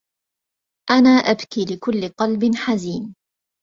أنا أبكي لكل قلب حزين